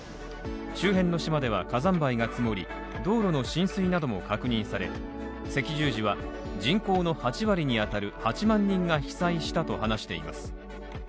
周辺の島では火山灰が積もり、道路の浸水なども確認され、赤十字は人口の８割にあたる８万人が被災したと話しています。